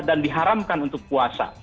dan diharamkan untuk puasa